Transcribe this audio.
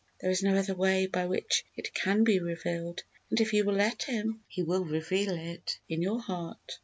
There is no other way by which it can be revealed, and, if you will let Him, He will reveal it in your heart.